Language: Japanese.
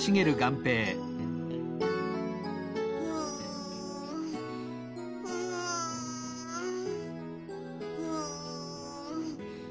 うんうんうん。